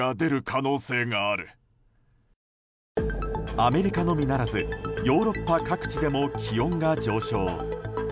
アメリカのみならずヨーロッパ各地でも気温が上昇。